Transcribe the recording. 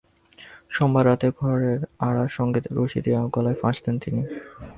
সোমবার রাতে ঘরের আড়ার সঙ্গে রশি দিয়ে গলায় ফাঁস দেন তিনি।